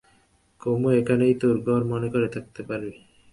কুমু, এখানেই তোর ঘর মনে করে থাকতে পারবি?